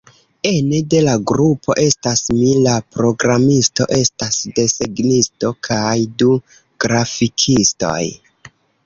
Ene de la grupo estas mi, la programisto, estas desegnisto kaj du grafikistoj.